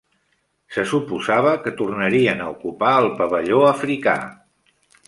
Se suposava que tornarien a ocupar el pavelló africà.